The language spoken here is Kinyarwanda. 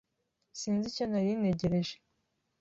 Sinzi icyo nari ntegereje.